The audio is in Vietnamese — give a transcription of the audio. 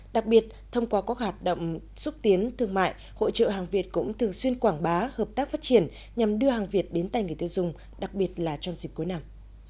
đặc biệt thông qua các hoạt động xúc tiến thương mại hội trợ hàng việt cũng thường xuyên quảng bá hợp tác phát triển nhằm đưa hàng việt đến tay người tiêu dùng đặc biệt là trong dịp cuối năm